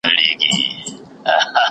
وطن د زراعت او مالدارۍ لپاره مناسب دی.